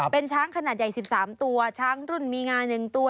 เป็นช้างขนาดใหญ่๑๓ตัวช้างรุ่นมีงา๑ตัว